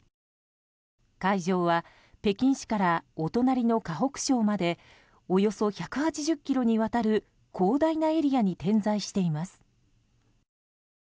会場は、北京市からお隣の河北省までおよそ１８０ｋｍにわたる広大なエリアに点在しています。